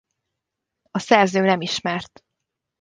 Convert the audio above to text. A szerző nem ismert.